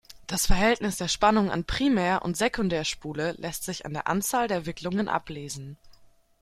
Das Verhältnis der Spannung an Primär- und Sekundärspule lässt sich an der Anzahl der Wicklungen ablesen.